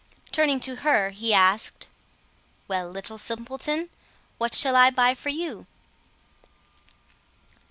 Turning to her he asked "Well, Little Simpleton, what shall I buy for you?"